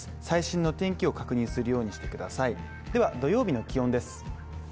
最新の天気を確認するようにしてくださいでは、土曜日の気温です。